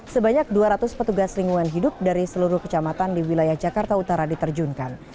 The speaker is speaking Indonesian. sebanyak dua ratus petugas lingkungan hidup dari seluruh kecamatan di wilayah jakarta utara diterjunkan